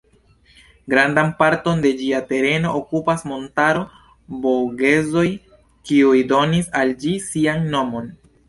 Grandan parton de ĝia tereno okupas montaro Vogezoj, kiuj donis al ĝi sian nomon.